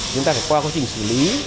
chúng ta phải qua quá trình xử lý